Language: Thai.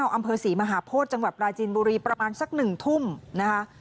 ความเผอร์ศรีมหาโพธย์จังหวัดปราจินบุรีประมาณสักหนึ่งทุ่มนะคะ